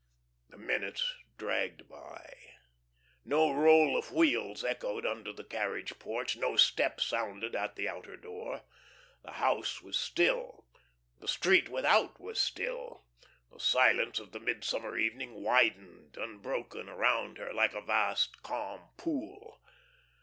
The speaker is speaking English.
The minutes dragged by. No roll of wheels echoed under the carriage porch; no step sounded at the outer door. The house was still, the street without was still, the silence of the midsummer evening widened, unbroken around her, like a vast calm pool.